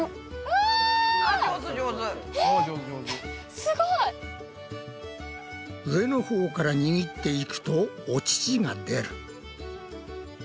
すごい！上のほうから握っていくとお乳が出る。